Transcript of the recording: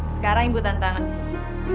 sekarang ibu tantangan sih